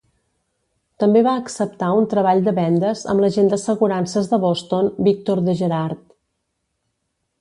També va acceptar un treball de vendes amb l'agent d'assegurances de Boston, Victor De Gerard.